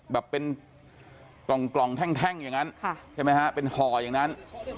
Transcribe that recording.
แบบเป็นกล่องแท่งอย่างนั้นใช่ไหมฮะเป็นห่ออย่างนั้น